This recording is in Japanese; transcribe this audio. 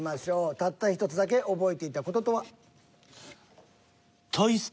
たったひとつだけ覚えていた事とは？